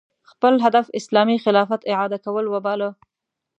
خپل هدف اسلامي خلافت اعاده کول وباله